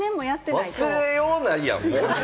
忘れようがないやん。